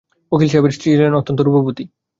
উকিল সাহেবের স্ত্রী ছিলেন অত্যন্ত রূপবতী।